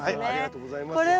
ありがとうございます。